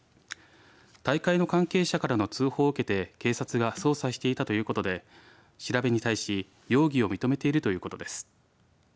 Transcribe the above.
大会の関係者からの通報を受けて警察が捜査していたということで調べに対し、容疑を認めているということです。